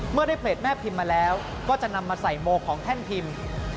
เมื่อได้เพจแม่พิมพ์มาแล้วก็จะนำมาใส่โมของแท่นพิมพ์